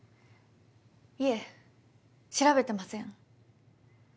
いえ調べてません。